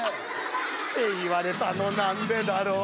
「って言われたのなんでだろう」